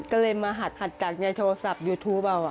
ก็เลยมาหัดจากในโทรศัพท์ยูทูปเรา